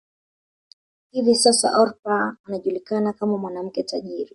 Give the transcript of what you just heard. Hivi Sasa Oprah anajulikana kama mwanamke tajiri